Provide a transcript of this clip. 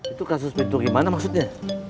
itu kasus pintu gimana maksudnya